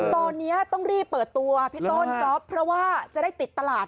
ตอนนี้ต้องรีบเปิดตัวพี่ต้นก๊อฟเพราะว่าจะได้ติดตลาด